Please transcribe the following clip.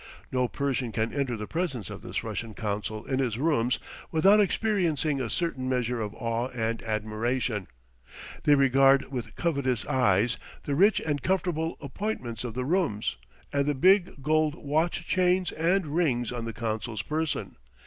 No Persian can enter the presence of this Russian consul in his rooms without experiencing a certain measure of awe and admiration. They regard with covetous eyes the rich and comfortable appointments of the rooms, and the big gold watch chains and rings on the consul's person.